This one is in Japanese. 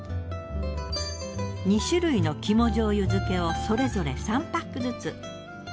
２種類の肝醤油漬けをそれぞれ３パックずつ。